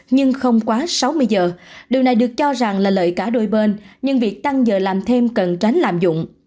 nhưng không quá sáu mươi giờ điều này được cho rằng là lợi cả đôi bên nhưng việc tăng giờ làm thêm cần tránh lạm dụng